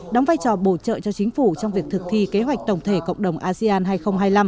đóng vai trò bổ trợ cho chính phủ trong việc thực thi kế hoạch tổng thể cộng đồng asean hai nghìn hai mươi năm